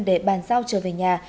để bàn giao trở về nhà